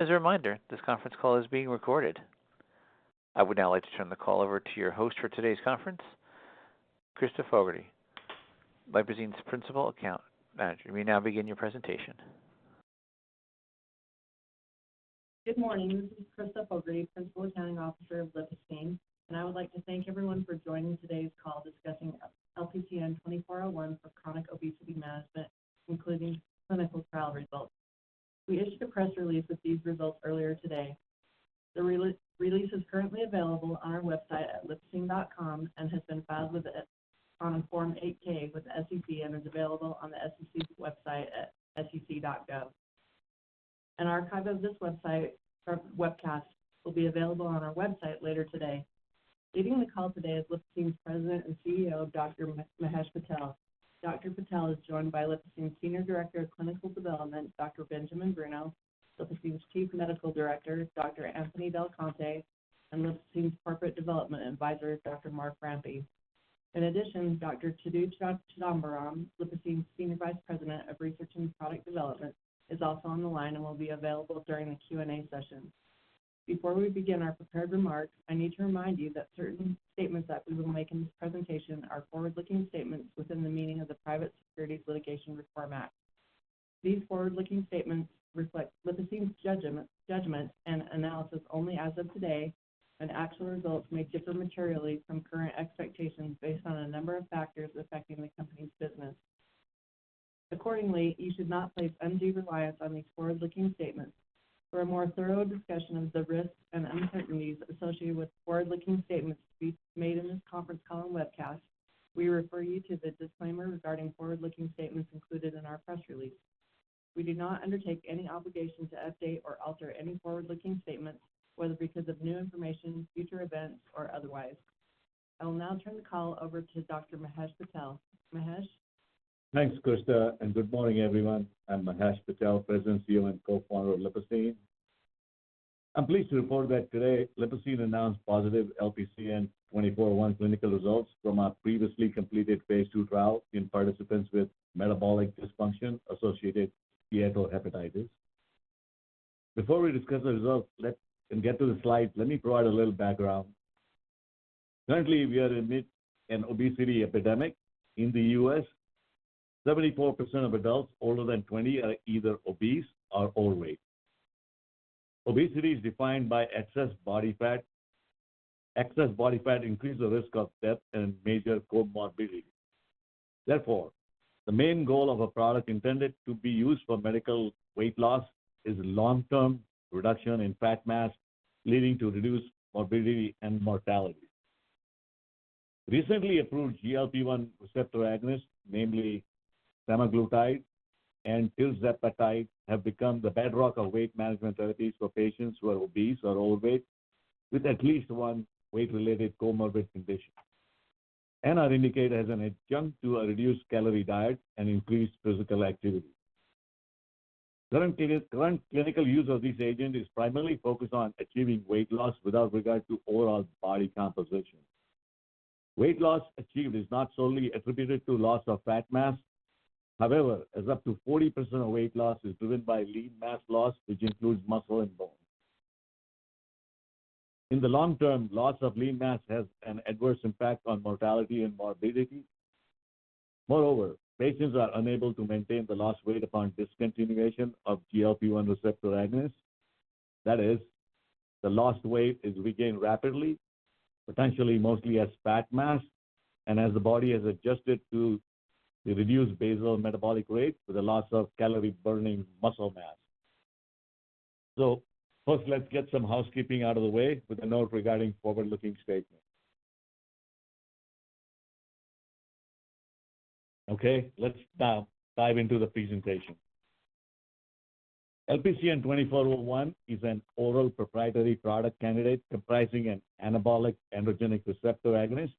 As a reminder, this conference call is being recorded. I would now like to turn the call over to your host for today's conference, Krista Fogarty, Lipocine's Principal Accounting Officer. You may now begin your presentation. Good morning. This is Krista Fogarty, Principal Accounting Officer of Lipocine, and I would like to thank everyone for joining today's call discussing LPCN 2401 for chronic obesity management, including clinical trial results. We issued a press release with these results earlier today. The release is currently available on our website at lipocine.com and has been filed with the SEC on Form 8-K with the SEC and is available on the SEC's website at sec.gov. An archive of this webcast will be available on our website later today. Leading the call today is Lipocine's President and CEO, Dr. Mahesh Patel. Dr. Patel is joined by Lipocine's Senior Director of Clinical Development, Dr. Benjamin Bruno, Lipocine's Chief Medical Director, Dr. Anthony DelConte, and Lipocine's Corporate Development Advisor, Dr. Mark Rampe. In addition, Dr. Chidu Chidambaram, Lipocine's Senior Vice President of Research and Product Development, is also on the line and will be available during the Q&A session. Before we begin our prepared remarks, I need to remind you that certain statements that we will make in this presentation are forward-looking statements within the meaning of the Private Securities Litigation Reform Act. These forward-looking statements reflect Lipocine's judgment and analysis only as of today, and actual results may differ materially from current expectations based on a number of factors affecting the company's business. Accordingly, you should not place undue reliance on these forward-looking statements. For a more thorough discussion of the risks and uncertainties associated with forward-looking statements to be made in this conference call and webcast, we refer you to the disclaimer regarding forward-looking statements included in our press release. We do not undertake any obligation to update or alter any forward-looking statements, whether because of new information, future events, or otherwise. I will now turn the call over to Dr. Mahesh Patel. Mahesh? Thanks, Krista, and good morning, everyone. I'm Mahesh Patel, President, CEO, and co-founder of Lipocine. I'm pleased to report that today Lipocine announced positive LPCN 2401 clinical results from our previously completed Phase II trial in participants with metabolic dysfunction-associated steatohepatitis. Before we discuss the results and get to the slides, let me provide a little background. Currently, we are in the midst of an obesity epidemic in the U.S. 74% of adults older than 20 are either obese or overweight. Obesity is defined by excess body fat. Excess body fat increases the risk of death and major comorbidities. Therefore, the main goal of a product intended to be used for medical weight loss is long-term reduction in fat mass, leading to reduced morbidity and mortality. Recently approved GLP-1 receptor agonists, namely semaglutide and tirzepatide, have become the bedrock of weight management therapies for patients who are obese or overweight with at least one weight-related comorbid condition and are indicated as an adjunct to a reduced-calorie diet and increased physical activity. Current clinical use of this agent is primarily focused on achieving weight loss without regard to overall body composition. Weight loss achieved is not solely attributed to loss of fat mass. However, as up to 40% of weight loss is driven by lean mass loss, which includes muscle and bone. In the long term, loss of lean mass has an adverse impact on mortality and morbidity. Moreover, patients are unable to maintain the lost weight upon discontinuation of GLP-1 receptor agonists. That is, the lost weight is regained rapidly, potentially mostly as fat mass, and as the body has adjusted to the reduced basal metabolic rate with a loss of calorie-burning muscle mass. So first, let's get some housekeeping out of the way with a note regarding forward-looking statements. Okay, let's dive into the presentation. LPCN 2401 is an oral proprietary product candidate comprising an anabolic androgenic receptor agonist,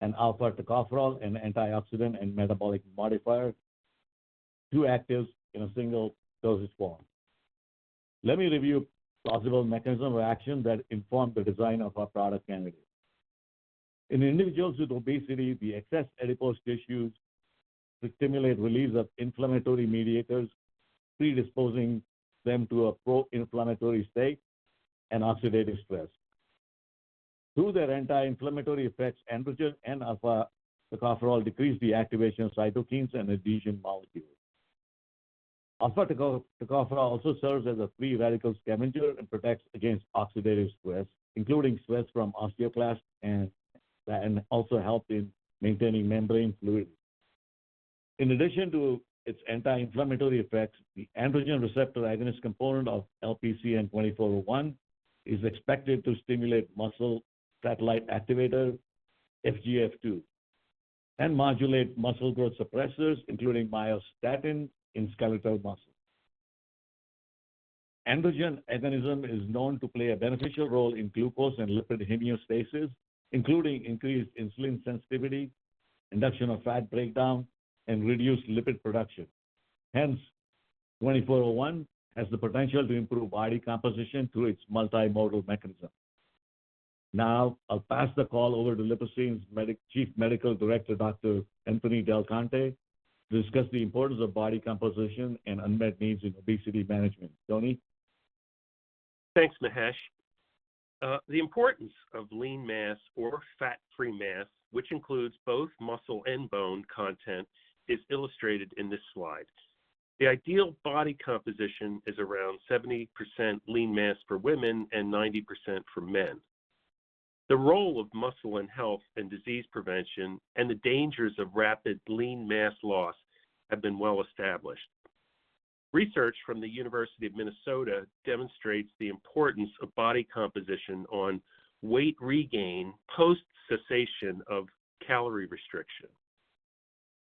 an alpha tocopherol, an antioxidant, and metabolic modifier, two actives in a single dosage form. Let me review plausible mechanism of action that informed the design of our product candidate. In individuals with obesity, the excess adipose tissues stimulate release of inflammatory mediators, predisposing them to a pro-inflammatory state and oxidative stress. Through their anti-inflammatory effects, androgen and alpha tocopherol decrease the activation of cytokines and adhesion molecules. Alpha tocopherol also serves as a free radical scavenger and protects against oxidative stress, including stress from osteoclasts, and also helps in maintaining membrane fluidity. In addition to its anti-inflammatory effects, the androgen receptor agonist component of LPCN 2401 is expected to stimulate muscle satellite activator, FGF2, and modulate muscle growth suppressors, including myostatin in skeletal muscle. Androgen agonism is known to play a beneficial role in glucose and lipid homeostasis, including increased insulin sensitivity, induction of fat breakdown, and reduced lipid production. Hence, 2401 has the potential to improve body composition through its multimodal mechanism. Now I'll pass the call over to Lipocine's Chief Medical Director, Dr. Anthony DelConte, to discuss the importance of body composition and unmet needs in obesity management. Tony? Thanks, Mahesh. The importance of lean mass or fat-free mass, which includes both muscle and bone content, is illustrated in this slide. The ideal body composition is around 70% lean mass for women and 90% for men. The role of muscle in health and disease prevention and the dangers of rapid lean mass loss have been well established. Research from the University of Minnesota demonstrates the importance of body composition on weight regain post-cessation of calorie restriction.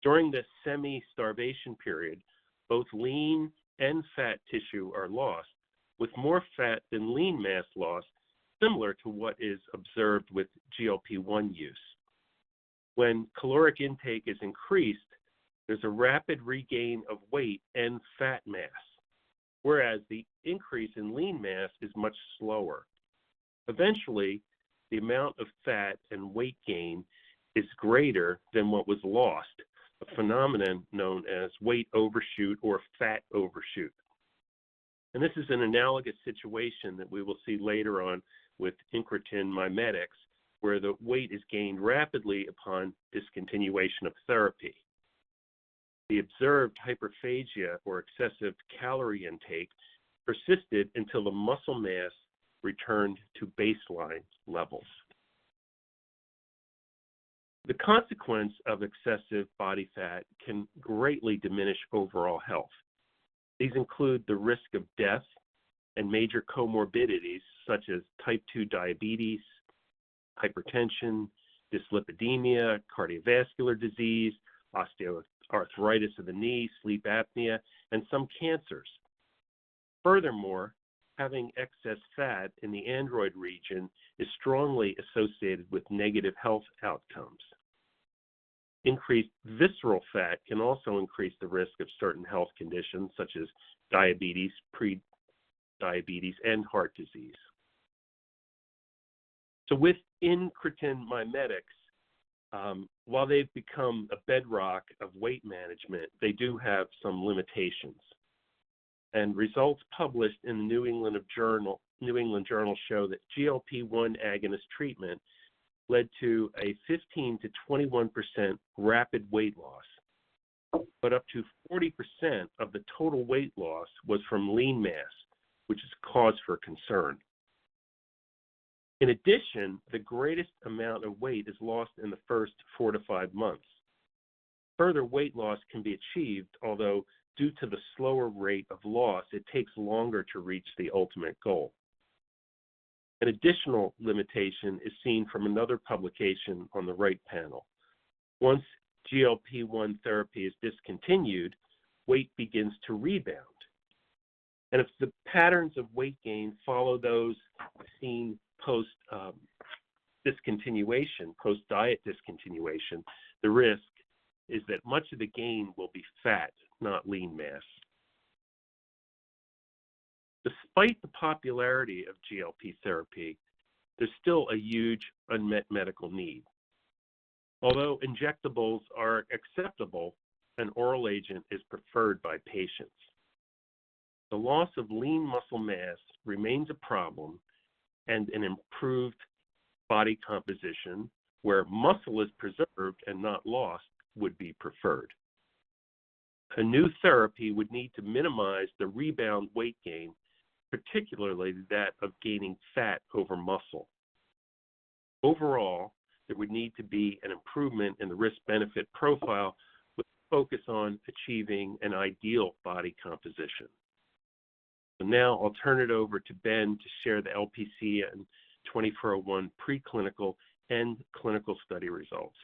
During the semi-starvation period, both lean and fat tissue are lost, with more fat than lean mass loss, similar to what is observed with GLP-1 use. When caloric intake is increased, there's a rapid regain of weight and fat mass, whereas the increase in lean mass is much slower. Eventually, the amount of fat and weight gain is greater than what was lost, a phenomenon known as weight overshoot or fat overshoot. This is an analogous situation that we will see later on with incretin mimetics, where the weight is gained rapidly upon discontinuation of therapy. The observed hyperphagia, or excessive calorie intake, persisted until the muscle mass returned to baseline levels. The consequence of excessive body fat can greatly diminish overall health. These include the risk of death and major comorbidities such as Type 2 diabetes, hypertension, dyslipidemia, cardiovascular disease, osteoarthritis of the knee, sleep apnea, and some cancers. Furthermore, having excess fat in the android region is strongly associated with negative health outcomes. Increased visceral fat can also increase the risk of certain health conditions such as diabetes, prediabetes, and heart disease. So with incretin mimetics, while they've become a bedrock of weight management, they do have some limitations. Results published in the New England Journal show that GLP-1 agonist treatment led to a 15%-21% rapid weight loss, but up to 40% of the total weight loss was from lean mass, which is cause for concern. In addition, the greatest amount of weight is lost in the first four to five months. Further weight loss can be achieved, although due to the slower rate of loss, it takes longer to reach the ultimate goal. An additional limitation is seen from another publication on the right panel. Once GLP-1 therapy is discontinued, weight begins to rebound. If the patterns of weight gain follow those seen post-discontinuation, post-diet discontinuation, the risk is that much of the gain will be fat, not lean mass. Despite the popularity of GLP therapy, there's still a huge unmet medical need. Although injectables are acceptable, an oral agent is preferred by patients. The loss of lean muscle mass remains a problem, and an improved body composition where muscle is preserved and not lost would be preferred. A new therapy would need to minimize the rebound weight gain, particularly that of gaining fat over muscle. Overall, there would need to be an improvement in the risk-benefit profile with a focus on achieving an ideal body composition. Now I'll turn it over to Ben to share the LPCN 2401 preclinical and clinical study results.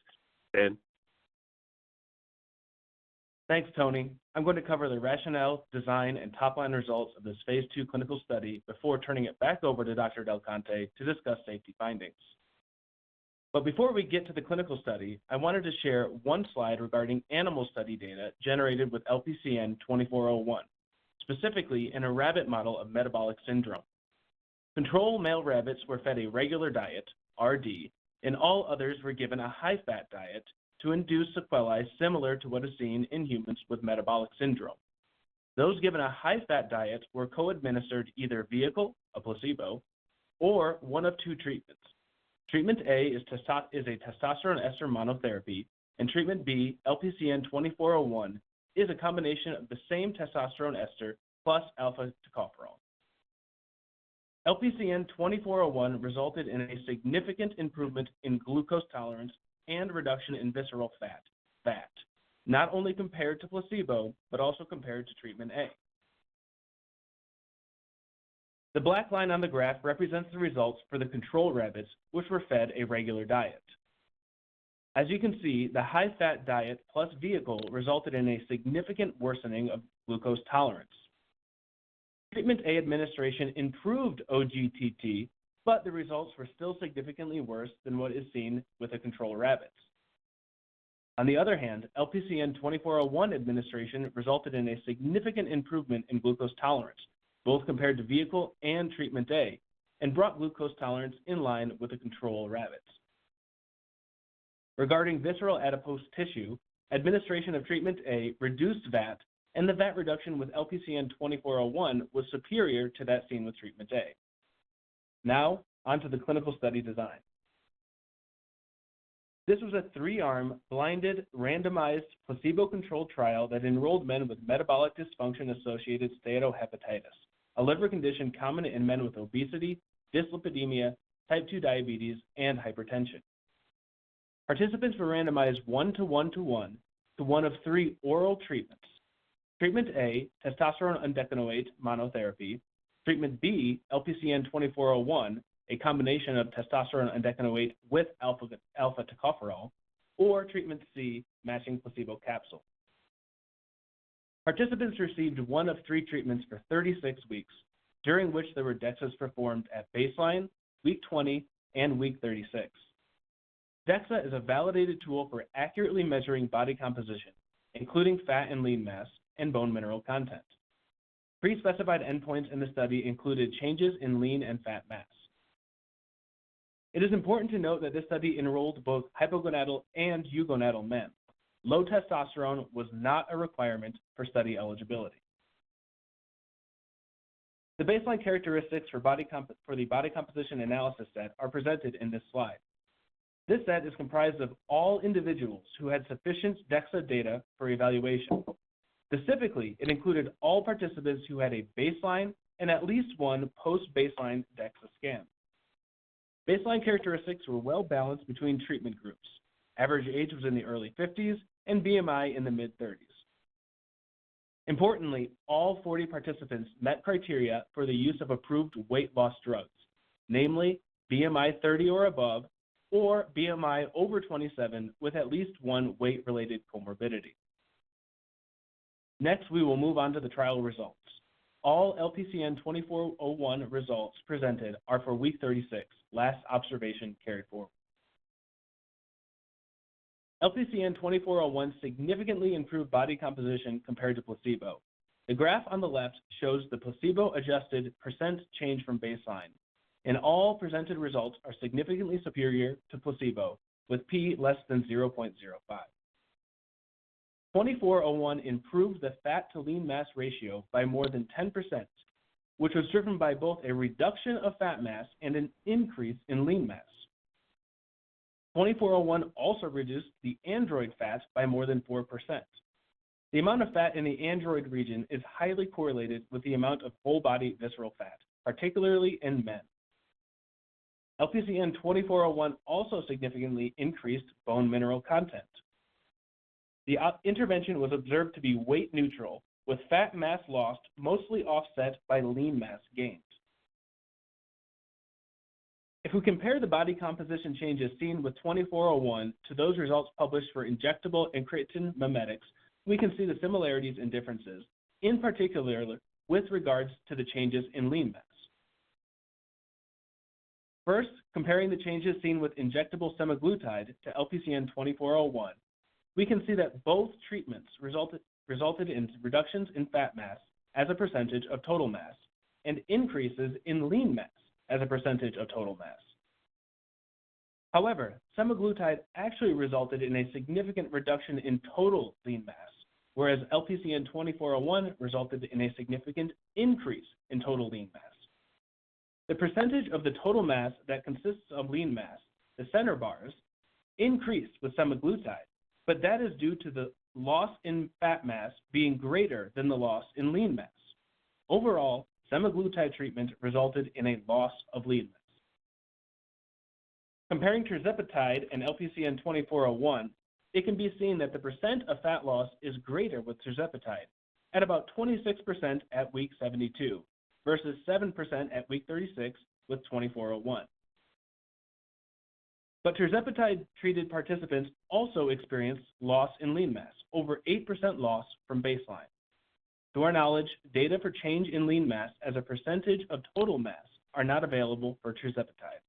Ben? Thanks, Tony. I'm going to cover the rationale, design, and top-line results of this Phase II clinical study before turning it back over to Dr. DelConte to discuss safety findings. But before we get to the clinical study, I wanted to share one slide regarding animal study data generated with LPCN 2401, specifically in a rabbit model of metabolic syndrome. Control male rabbits were fed a regular diet, RD, and all others were given a high-fat diet to induce sequelae similar to what is seen in humans with metabolic syndrome. Those given a high-fat diet were co-administered either vehicle, a placebo, or one of two treatments. Treatment A is a testosterone ester monotherapy, and treatment B, LPCN 2401, is a combination of the same testosterone ester plus alpha tocopherol. LPCN 2401 resulted in a significant improvement in glucose tolerance and reduction in visceral fat, not only compared to placebo but also compared to treatment A. The black line on the graph represents the results for the control rabbits, which were fed a regular diet. As you can see, the high-fat diet plus vehicle resulted in a significant worsening of glucose tolerance. Treatment A administration improved OGTT, but the results were still significantly worse than what is seen with the control rabbits. On the other hand, LPCN 2401 administration resulted in a significant improvement in glucose tolerance, both compared to vehicle and treatment A, and brought glucose tolerance in line with the control rabbits. Regarding visceral adipose tissue, administration of treatment A reduced VAT, and the VAT reduction with LPCN 2401 was superior to that seen with treatment A. Now onto the clinical study design. This was a three-arm, blinded, randomized, placebo-controlled trial that enrolled men with metabolic dysfunction-associated steatohepatitis, a liver condition common in men with obesity, dyslipidemia, Type 2 diabetes, and hypertension. Participants were randomized one-to-one-to-one to one of three oral treatments: treatment A, testosterone undecanoate monotherapy; treatment B, LPCN 2401, a combination of testosterone undecanoate with alpha tocopherol; or treatment C, matching placebo capsule. Participants received one of three treatments for 36 weeks, during which there were DEXAs performed at baseline, week 20, and week 36. DEXA is a validated tool for accurately measuring body composition, including fat and lean mass and bone mineral content. Pre-specified endpoints in the study included changes in lean and fat mass. It is important to note that this study enrolled both hypogonadal and eugonadal men. Low testosterone was not a requirement for study eligibility. The baseline characteristics for the body composition analysis set are presented in this slide. This set is comprised of all individuals who had sufficient DEXA data for evaluation. Specifically, it included all participants who had a baseline and at least one post-baseline DEXA scan. Baseline characteristics were well balanced between treatment groups. Average age was in the early 50s and BMI in the mid-30s. Importantly, all 40 participants met criteria for the use of approved weight loss drugs, namely BMI 30 or above or BMI over 27 with at least one weight-related comorbidity. Next, we will move on to the trial results. All LPCN 2401 results presented are for week 36, last observation carried forward. LPCN 2401 significantly improved body composition compared to placebo. The graph on the left shows the placebo-adjusted % change from baseline, and all presented results are significantly superior to placebo, with p less than 0.05. 2401 improved the fat-to-lean mass ratio by more than 10%, which was driven by both a reduction of fat mass and an increase in lean mass. LPCN 2401 also reduced the android fat by more than 4%. The amount of fat in the android region is highly correlated with the amount of whole-body visceral fat, particularly in men. LPCN 2401 also significantly increased bone mineral content. The intervention was observed to be weight-neutral, with fat mass loss mostly offset by lean mass gains. If we compare the body composition changes seen with LPCN 2401 to those results published for injectable incretin mimetics, we can see the similarities and differences, in particular with regards to the changes in lean mass. First, comparing the changes seen with injectable semaglutide to LPCN 2401, we can see that both treatments resulted in reductions in fat mass as a percentage of total mass and increases in lean mass as a percentage of total mass. However, semaglutide actually resulted in a significant reduction in total lean mass, whereas LPCN 2401 resulted in a significant increase in total lean mass. The percentage of the total mass that consists of lean mass, the center bars, increased with semaglutide, but that is due to the loss in fat mass being greater than the loss in lean mass. Overall, semaglutide treatment resulted in a loss of lean mass. Comparing tirzepatide and LPCN 2401, it can be seen that the percent of fat loss is greater with tirzepatide, at about 26% at week 72 versus 7% at week 36 with 2401. But tirzepatide-treated participants also experienced loss in lean mass, over 8% loss from baseline. To our knowledge, data for change in lean mass as a percentage of total mass are not available for tirzepatide.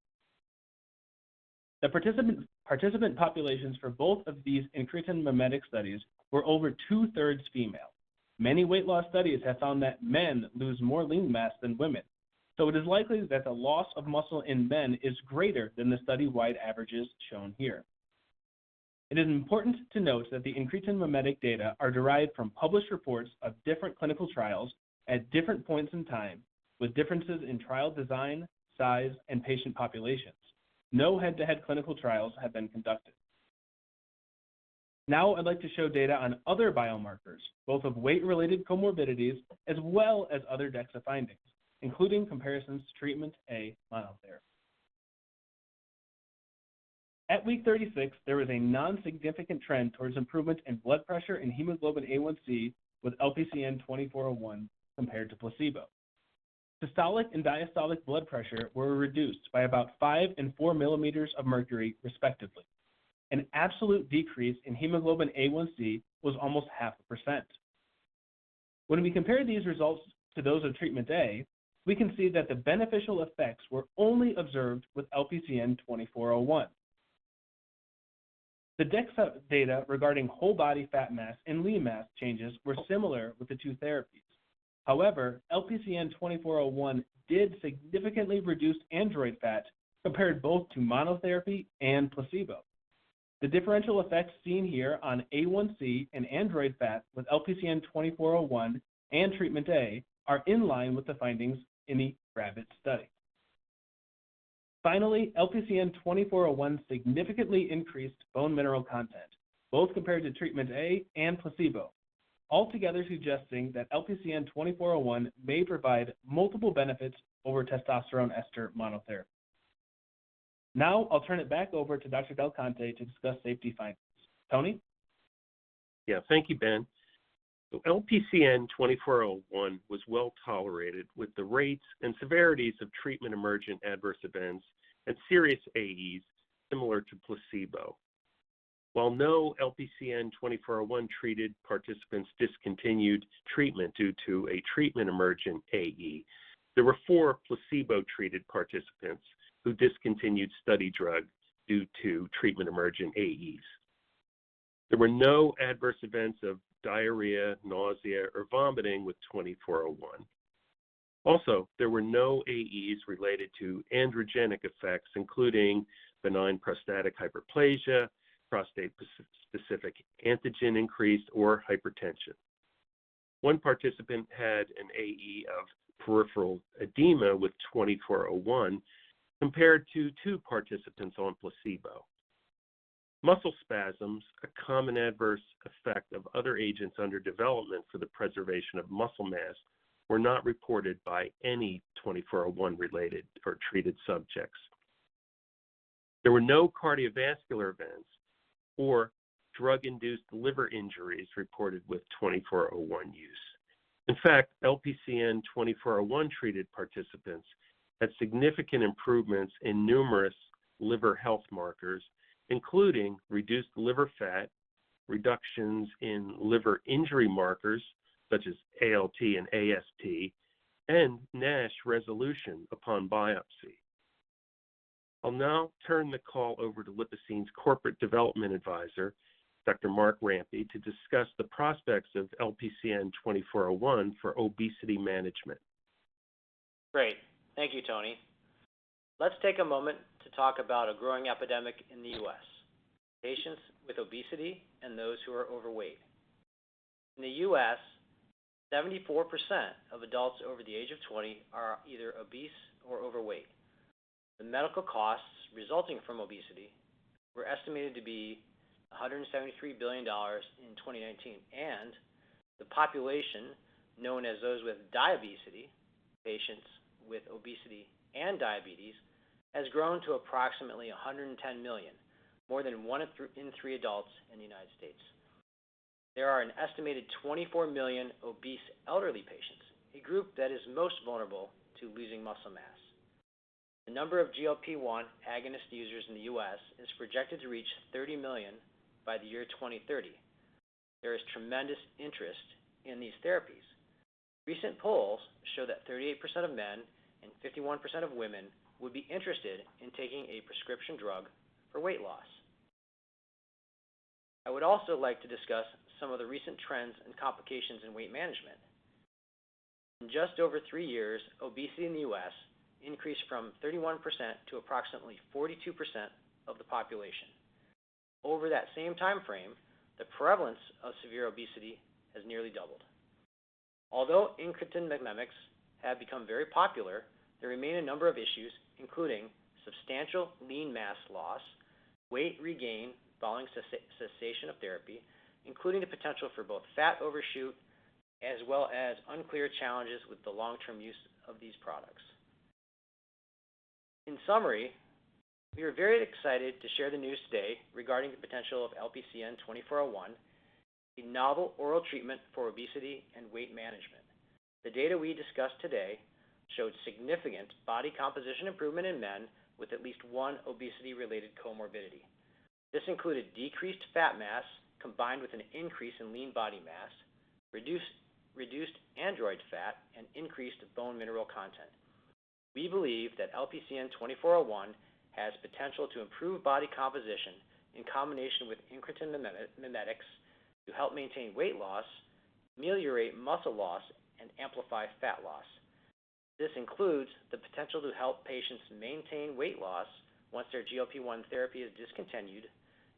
The participant populations for both of these incretin mimetics studies were over two-thirds female. Many weight loss studies have found that men lose more lean mass than women, so it is likely that the loss of muscle in men is greater than the study-wide averages shown here. It is important to note that the incretin mimetic data are derived from published reports of different clinical trials at different points in time, with differences in trial design, size, and patient populations. No head-to-head clinical trials have been conducted. Now I'd like to show data on other biomarkers, both of weight-related comorbidities as well as other DEXA findings, including comparisons to treatment A monotherapy. At week 36, there was a nonsignificant trend towards improvement in blood pressure and hemoglobin A1c with LPCN 2401 compared to placebo. Systolic and diastolic blood pressure were reduced by about five and four millimeters of mercury, respectively. An absolute decrease in hemoglobin A1c was almost 0.5%. When we compare these results to those of treatment A, we can see that the beneficial effects were only observed with LPCN 2401. The DEXA data regarding whole-body fat mass and lean mass changes were similar with the two therapies. However, LPCN 2401 did significantly reduce android fat compared both to monotherapy and placebo. The differential effects seen here on A1c and android fat with LPCN 2401 and treatment A are in line with the findings in the rabbit study. Finally, LPCN 2401 significantly increased bone mineral content, both compared to treatment A and placebo, altogether suggesting that LPCN 2401 may provide multiple benefits over testosterone ester monotherapy. Now I'll turn it back over to Dr. DelConte to discuss safety findings. Tony? Yeah. Thank you, Ben. So LPCN 2401 was well tolerated with the rates and severities of treatment-emergent adverse events and serious AEs similar to placebo. While no LPCN 2401-treated participants discontinued treatment due to a treatment-emergent AE, there were four placebo-treated participants who discontinued study drug due to treatment-emergent AEs. There were no adverse events of diarrhea, nausea, or vomiting with 2401. Also, there were no AEs related to androgenic effects, including benign prostatic hyperplasia, prostate-specific antigen increase, or hypertension. One participant had an AE of peripheral edema with 2401 compared to two participants on placebo. Muscle spasms, a common adverse effect of other agents under development for the preservation of muscle mass, were not reported by any 2401-related or treated subjects. There were no cardiovascular events or drug-induced liver injuries reported with 2401 use. In fact, LPCN 2401-treated participants had significant improvements in numerous liver health markers, including reduced liver fat, reductions in liver injury markers such as ALT and AST, and NASH resolution upon biopsy. I'll now turn the call over to Lipocine's Corporate Development Advisor, Dr. Mark Rampe, to discuss the prospects of LPCN 2401 for obesity management. Great. Thank you, Tony. Let's take a moment to talk about a growing epidemic in the U.S.: patients with obesity and those who are overweight. In the U.S., 74% of adults over the age of 20 are either obese or overweight. The medical costs resulting from obesity were estimated to be $173 billion in 2019, and the population, known as those with diabesity, patients with obesity and diabetes, has grown to approximately 110 million, more than one in three adults in the United States. There are an estimated 24 million obese elderly patients, a group that is most vulnerable to losing muscle mass. The number of GLP-1 agonist users in the U.S. is projected to reach 30 million by the year 2030. There is tremendous interest in these therapies. Recent polls show that 38% of men and 51% of women would be interested in taking a prescription drug for weight loss. I would also like to discuss some of the recent trends and complications in weight management. In just over three years, obesity in the U.S. increased from 31% to approximately 42% of the population. Over that same time frame, the prevalence of severe obesity has nearly doubled. Although incretin mimetics have become very popular, there remain a number of issues, including substantial lean mass loss, weight regain following cessation of therapy, including the potential for both fat overshoot as well as unclear challenges with the long-term use of these products. In summary, we are very excited to share the news today regarding the potential of LPCN 2401, a novel oral treatment for obesity and weight management. The data we discussed today showed significant body composition improvement in men with at least one obesity-related comorbidity. This included decreased fat mass combined with an increase in lean body mass, reduced android fat, and increased bone mineral content. We believe that LPCN 2401 has potential to improve body composition in combination with incretin mimetics to help maintain weight loss, ameliorate muscle loss, and amplify fat loss. This includes the potential to help patients maintain weight loss once their GLP-1 therapy is discontinued,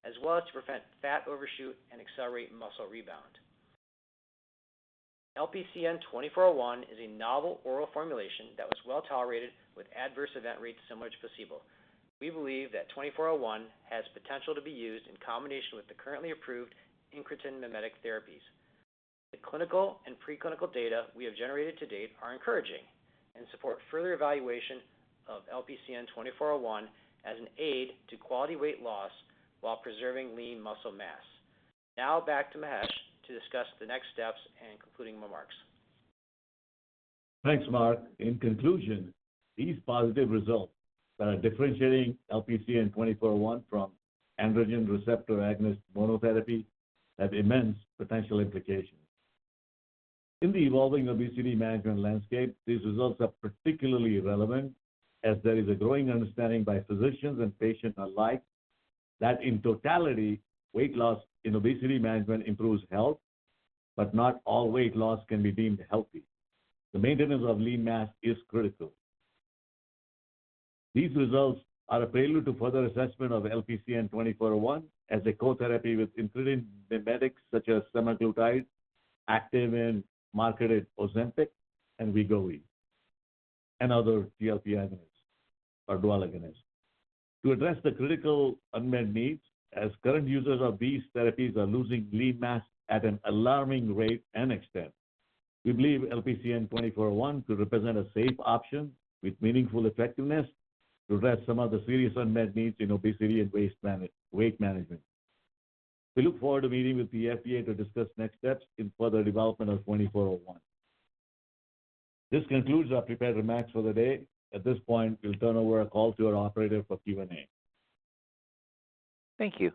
as well as to prevent fat overshoot and accelerate muscle rebound. LPCN 2401 is a novel oral formulation that was well tolerated with adverse event rates similar to placebo. We believe that 2401 has potential to be used in combination with the currently approved incretin mimetic therapies. The clinical and preclinical data we have generated to date are encouraging and support further evaluation of LPCN 2401 as an aid to quality weight loss while preserving lean muscle mass. Now back to Mahesh to discuss the next steps and concluding remarks. Thanks, Mark. In conclusion, these positive results that are differentiating LPCN 2401 from androgen receptor agonist monotherapy have immense potential implications. In the evolving obesity management landscape, these results are particularly relevant as there is a growing understanding by physicians and patients alike that, in totality, weight loss in obesity management improves health, but not all weight loss can be deemed healthy. The maintenance of lean mass is critical. These results are a prelude to further assessment of LPCN 2401 as a cotherapy with incretin mimetics such as semaglutide, active and marketed Ozempic, and Wegovy, and other GLP-1 agonists or dual agonists. To address the critical unmet needs as current users of these therapies are losing lean mass at an alarming rate and extent, we believe LPCN 2401 could represent a safe option with meaningful effectiveness to address some of the serious unmet needs in obesity and weight management. We look forward to meeting with the FDA to discuss next steps in further development of 2401. This concludes our prepared remarks for the day. At this point, we'll turn over a call to our operator for Q&A. Thank you.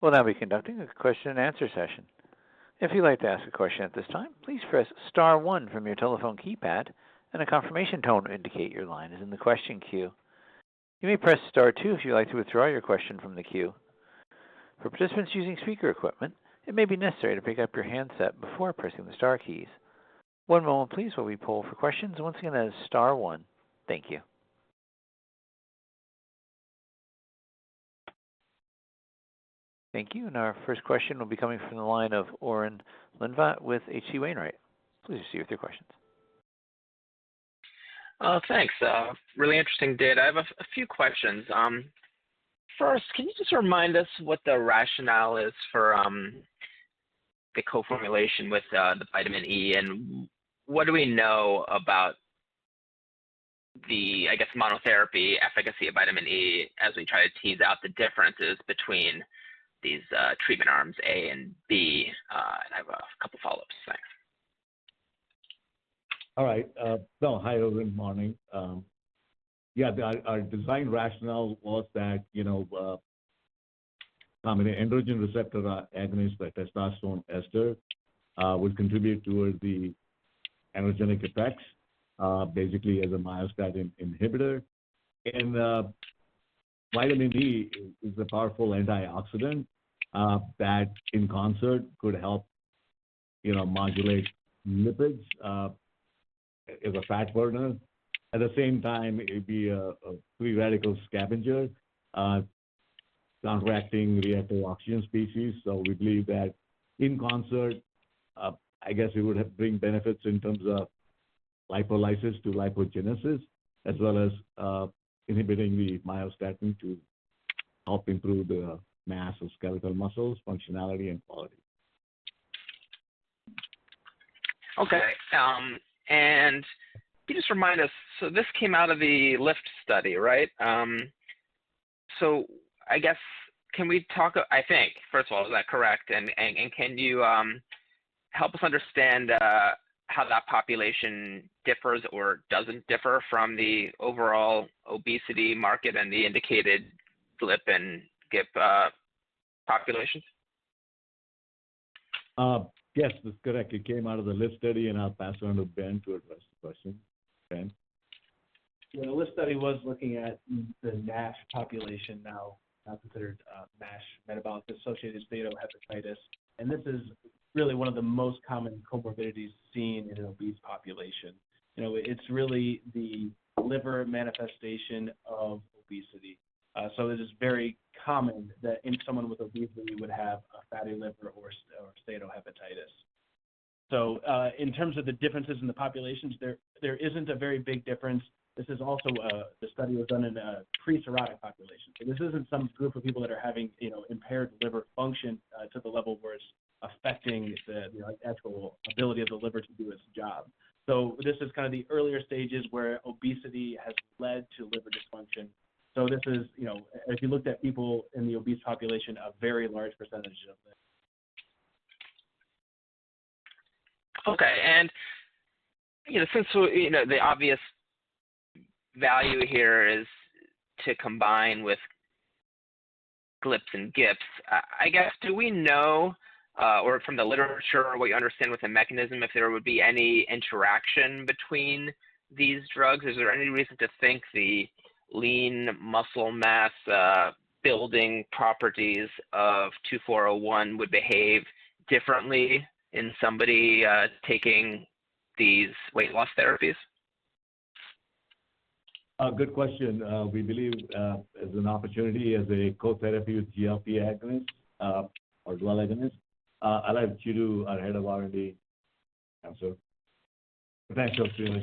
We'll now be conducting a question-and-answer session. If you'd like to ask a question at this time, please press star one from your telephone keypad, and a confirmation tone will indicate your line is in the question queue. You may press star two if you'd like to withdraw your question from the queue. For participants using speaker equipment, it may be necessary to pick up your handset before pressing the star keys. One moment, please, while we pull for questions. Once again, that is star one. Thank you. Thank you. And our first question will be coming from the line of Oren Livnat with H.C. Wainwright. Please proceed with your questions. Thanks. Really interesting data. I have a few questions. First, can you just remind us what the rationale is for the coformulation with the vitamin E, and what do we know about the, I guess, monotherapy efficacy of vitamin E as we try to tease out the differences between these treatment arms A and B? And I have a couple of follow-ups. Thanks. All right. Well, hi. Good morning. Yeah, our design rationale was that, combined androgen receptor agonist like testosterone ester would contribute toward the androgenic effects, basically as a myostatin inhibitor. And vitamin E is a powerful antioxidant that, in concert, could help modulate lipids as a fat burner. At the same time, it'd be a free radical scavenger counteracting reactive oxygen species. So we believe that, in concert, I guess it would bring benefits in terms of lipolysis to lipogenesis as well as inhibiting the myostatin to help improve the mass of skeletal muscles, functionality, and quality. Okay. And can you just remind us so this came out of the LiFT study, right? So I guess can we talk, I think, first of all, is that correct? And can you help us understand how that population differs or doesn't differ from the overall obesity market and the indicated GLP and GIP populations? Yes, that's correct. It came out of the LiFT study, and I'll pass it on to Ben to address the question. Ben? Yeah. The LiFT study was looking at the NASH population now considered MASH, metabolic dysfunction-associated steatohepatitis. And this is really one of the most common comorbidities seen in an obese population. It's really the liver manifestation of obesity. So it is very common that in someone with obesity, you would have a fatty liver or steatohepatitis. So in terms of the differences in the populations, there isn't a very big difference. This is also the study was done in a pre-cirrhotic population. So this isn't some group of people that are having impaired liver function to the level where it's affecting the actual ability of the liver to do its job. So this is kind of the earlier stages where obesity has led to liver dysfunction. So if you looked at people in the obese population, a very large percentage of. Okay. And since the obvious value here is to combine with GLPs and GIPs, I guess, do we know or from the literature, what you understand with the mechanism, if there would be any interaction between these drugs? Is there any reason to think the lean muscle mass-building properties of 2401 would behave differently in somebody taking these weight loss therapies? Good question. We believe there's an opportunity as a cotherapy with GLP-1 agonist or dual agonist. I'll have Chidu, our head of R&D, answer. Potential to.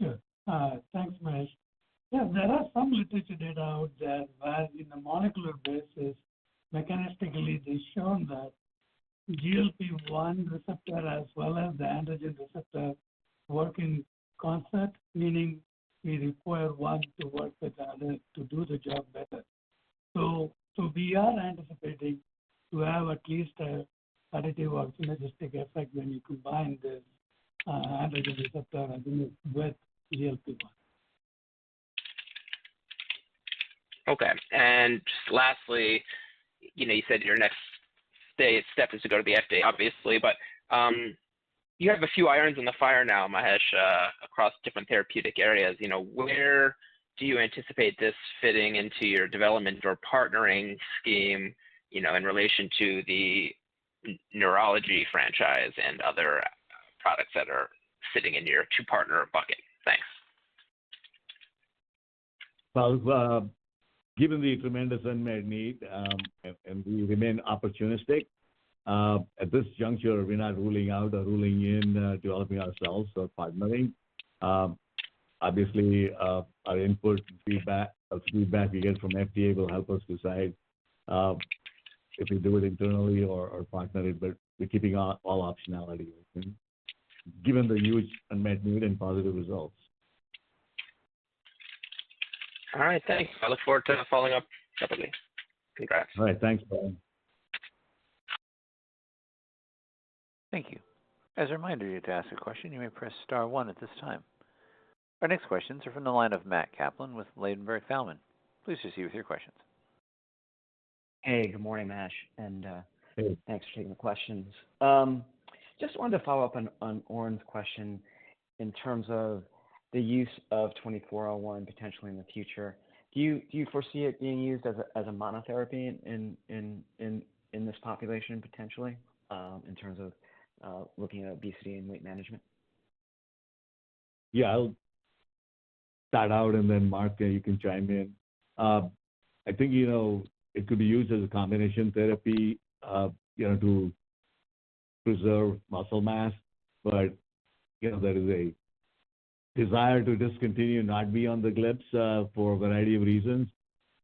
Yeah. Thanks, Mahesh. Yeah, there are some literature data out that, in a molecular basis, mechanistically, they've shown that GLP-1 receptor as well as the androgen receptor work in concert, meaning we require one to work with the other to do the job better. So we are anticipating to have at least a additive or synergistic effect when you combine this androgen receptor agonist with GLP-1. Okay. Just lastly, you said your next step is to go to the FDA, obviously. But you have a few irons in the fire now, Mahesh, across different therapeutic areas. Where do you anticipate this fitting into your development or partnering scheme in relation to the neurology franchise and other products that are sitting in your two-partner bucket? Thanks. Well, given the tremendous unmet need and we remain opportunistic, at this juncture, we're not ruling out or ruling in developing ourselves or partnering. Obviously, our input and feedback we get from FDA will help us decide if we do it internally or partner it, but we're keeping all optionality, I think, given the huge unmet need and positive results. All right. Thanks. I look forward to following up separately. Congrats. All right. Thanks, Brian. Thank you. As a reminder to ask a question, you may press star one at this time. Our next questions are from the line of Matt Kaplan with Ladenburg Thalmann. Please proceed with your questions. Hey. Good morning, Mahesh. Thanks for taking the questions. Just wanted to follow up on Oren's question in terms of the use of 2401 potentially in the future. Do you foresee it being used as a monotherapy in this population, potentially, in terms of looking at obesity and weight management? Yeah. I'll start out, and then, Mark, you can chime in. I think it could be used as a combination therapy to preserve muscle mass, but there is a desire to discontinue, not be on the GLPs for a variety of reasons,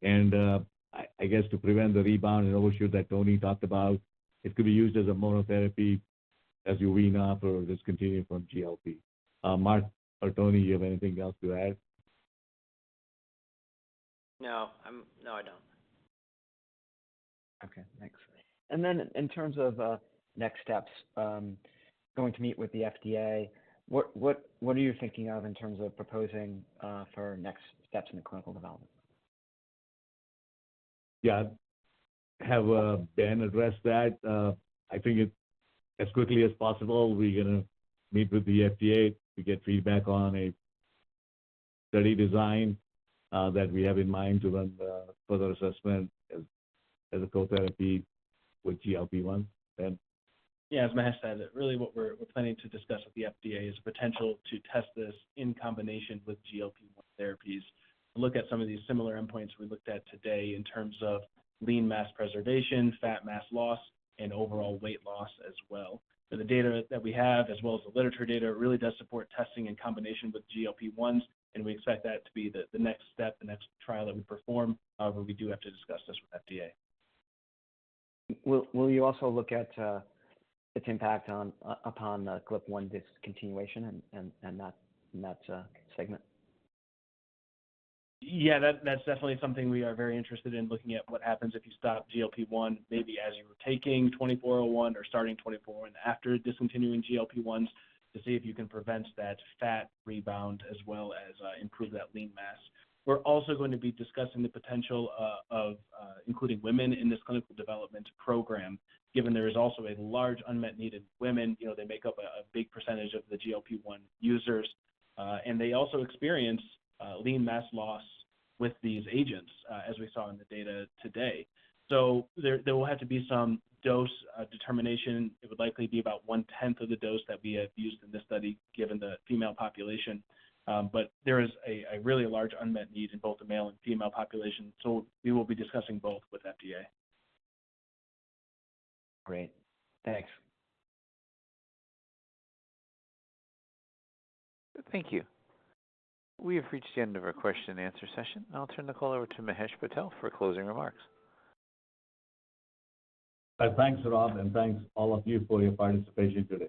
and I guess to prevent the rebound and overshoot that Tony talked about, it could be used as a monotherapy as you wean off or discontinue from GLP. Mark or Tony, do you have anything else to add? No. No, I don't. Okay. Thanks. And then in terms of next steps, going to meet with the FDA, what are you thinking of in terms of proposing for next steps in the clinical development? Yeah. Have Ben address that. I think, as quickly as possible, we're going to meet with the FDA to get feedback on a study design that we have in mind to run further assessment as a cotherapy with GLP-1, Ben. Yeah. As Mahesh said, really, what we're planning to discuss with the FDA is the potential to test this in combination with GLP-1 therapies, look at some of these similar endpoints we looked at today in terms of lean mass preservation, fat mass loss, and overall weight loss as well. So the data that we have, as well as the literature data, it really does support testing in combination with GLP-1s, and we expect that to be the next step, the next trial that we perform. However, we do have to discuss this with FDA. Will you also look at its impact upon GLP-1 discontinuation and that segment? Yeah. That's definitely something we are very interested in, looking at what happens if you stop GLP-1, maybe as you were taking 2401 or starting 2401 after discontinuing GLP-1s, to see if you can prevent that fat rebound as well as improve that lean mass. We're also going to be discussing the potential of including women in this clinical development program, given there is also a large unmet need in women. They make up a big percentage of the GLP-1 users, and they also experience lean mass loss with these agents, as we saw in the data today. So there will have to be some dose determination. It would likely be about one-tenth of the dose that we have used in this study, given the female population. But there is a really large unmet need in both the male and female populations, so we will be discussing both with FDA. Great. Thanks. Thank you. We have reached the end of our question-and-answer session, and I'll turn the call over to Mahesh Patel for closing remarks. All right. Thanks, Rob, and thanks all of you for your participation today.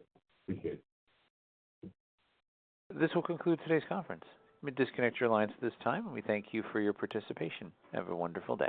Appreciate it. This will conclude today's conference. Let me disconnect your lines at this time, and we thank you for your participation. Have a wonderful day.